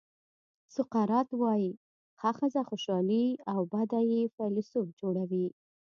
سقراط وایي ښه ښځه خوشالي او بده یې فیلسوف جوړوي.